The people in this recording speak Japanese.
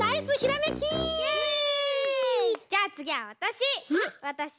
じゃあつぎはわたし。